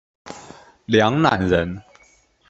梁览人。